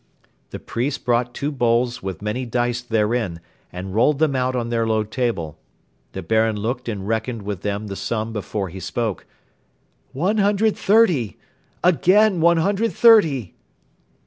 The priests brought two bowls with many dice therein and rolled them out on their low table. The Baron looked and reckoned with them the sum before he spoke: "One hundred thirty! Again one hundred thirty!"